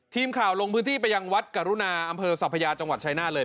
ทีมข่าวลงพื้นที่ไปยังวัดกรุณาอำเภอสัพยาจังหวัดชายนาฏเลย